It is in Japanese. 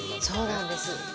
そうなんです。